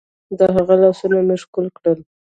د هغه لاسونه مې ښکل کړل.